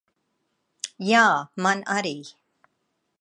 Jā, man arī.